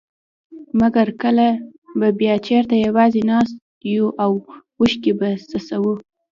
مګر کله به بيا چېرته يوازي ناست يو او اوښکي به څڅوو.